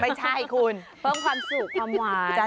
ไม่ใช่คุณเพิ่มความสุขความหวาน